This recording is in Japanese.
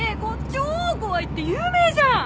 超怖いって有名じゃん！